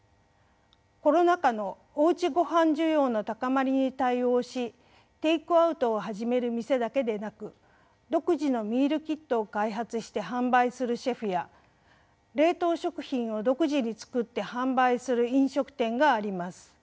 コロナ禍のおうちごはん需要の高まりに対応しテイクアウトを始める店だけでなく独自のミールキットを開発して販売するシェフや冷凍食品を独自に作って販売する飲食店があります。